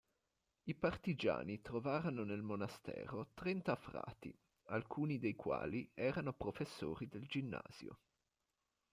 I partigiani trovarono nel monastero trenta frati, alcuni dei quali erano professori del ginnasio.